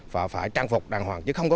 và phải trang phục đàng hoàng chứ không có